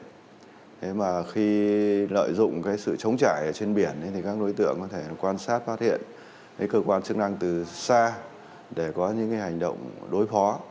thế mà khi lợi dụng cái sự chống chạy trên biển thì các đối tượng có thể quan sát phát hiện cơ quan chức năng từ xa để có những hành động đối phó